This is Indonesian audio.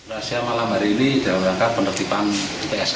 razia malam hari ini menangkap penertipan psk